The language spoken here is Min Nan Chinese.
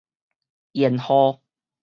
延號